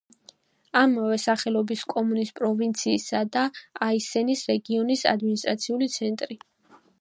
ამავე სახელობის კომუნის, პროვინციის და აისენის რეგიონის ადმინისტრაციული ცენტრი.